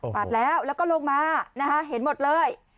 ปาดแล้วแล้วก็ลงมานะคะเห็นหมดเลย